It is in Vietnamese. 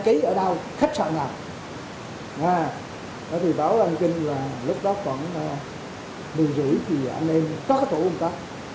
chế ở đâu khách sạn nào thì báo đăng kinh là lúc đó khoảng một mươi rưỡi thì anh em các thủ công tác